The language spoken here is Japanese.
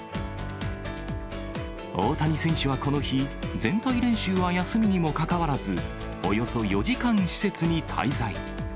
大谷選手はこの日、全体練習は休みにもかかわらず、およそ４時間、施設に滞在。